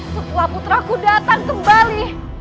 setelah putraku datang kembali